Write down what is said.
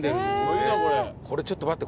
これちょっと待って。